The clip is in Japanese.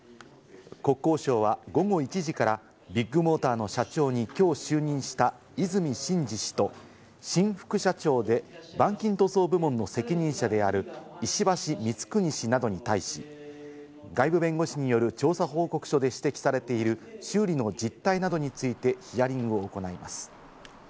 国交省は午後１時から、ビッグモーターの社長にきょう就任した和泉伸二氏と新副社長で板金塗装部門の責任者である石橋光国氏などに対し、外部弁護士による調査報告書で指摘されている修理の実態などについてヒアリングを行います。